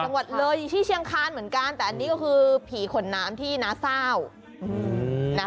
จังหวัดเลยอยู่ที่เชียงคานเหมือนกันแต่อันนี้ก็คือผีขนน้ำที่นาเศร้า